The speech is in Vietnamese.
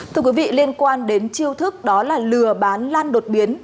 thưa quý vị liên quan đến chiêu thức đó là lừa bán lan đột biến